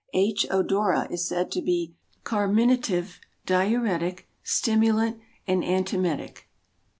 H. odora is said to be carminative, diuretic, stimulant and antemetic.